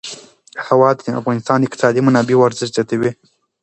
هوا د افغانستان د اقتصادي منابعو ارزښت زیاتوي.